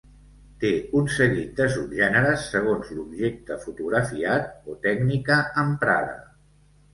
Té un seguit de subgèneres segons l'objecte fotografiat o tècnica emprada.